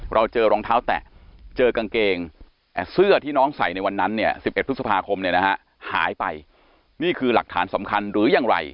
เราเจอรองเท้าแตะเจอกางเกงเสื้อที่น้องใส่ในวันนั้นเนี่ย๑๑พฤษภาคมเนี่ยนะฮะหายไปนี่คือหลักฐานสำคัญหรือยังไร